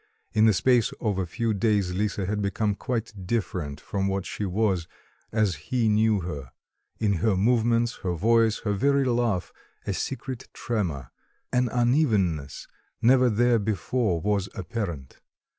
In the space of a few days Lisa had become quite different from what she was as he knew her: in her movements, her voice, her very laugh a secret tremor, an unevenness never there before was apparent.